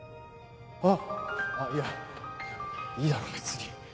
あっいやいいだろ別に。